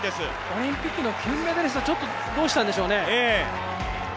オリンピックの金メダリスト、ちょっとどうしたんでしょうね。